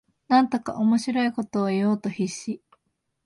なんとか面白いことを言おうと必死